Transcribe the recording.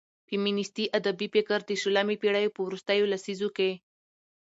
فيمينستي ادبي فکر د شلمې پېړيو په وروستيو لسيزو کې